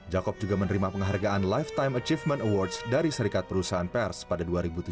jakob juga menerima penghargaan lifetime achievement awards dari serikat perusahaan pers pada dua ribu tujuh belas